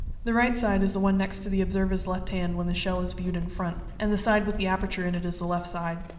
The right side is the one next the observer's left hand, when the shell is viewed in front; and the side with the aperture in it, is the left side.